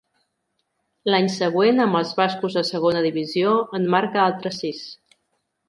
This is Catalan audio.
L'any següent, amb els bascos a Segona Divisió, en marca altres sis.